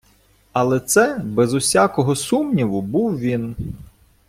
Але це, без всякого сумніву, був він.